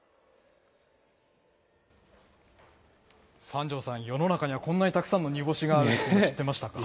三條さん、世の中にはこんなにたくさんの煮干しがあるって知ってましたか。